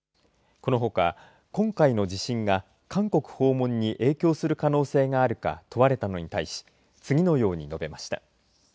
このほか今回の地震が韓国訪問に影響する可能性があるか問われたのに対し次のように述べました。